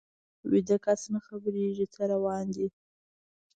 ویده کس نه خبریږي څه روان دي